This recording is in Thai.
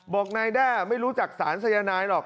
บอกนายแด้ไม่รู้จักสารสายนายหรอก